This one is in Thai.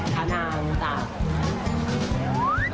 ขนาดลูกจ้ะ